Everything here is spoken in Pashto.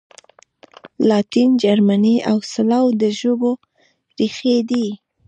لاتین، جرمني او سلاو د ژبو ریښې دي.